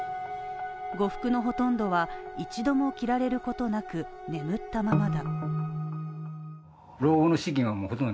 呉服のほとんどは一度も着られることなく眠ったままだ。